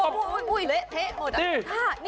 เหละเทะหมดอ่ะ